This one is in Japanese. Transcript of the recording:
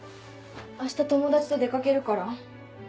明日友達と出かけるから。